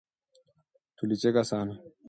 Tulicheka sana